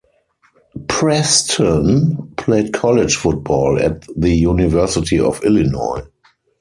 Preston played college football at the University of Illinois.